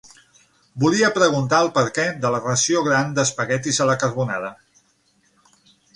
Volia preguntar el perquè de la ració gran d'espaguetis a la carbonara.